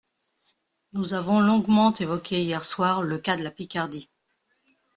Nous avons longuement évoqué hier soir le cas de la Picardie.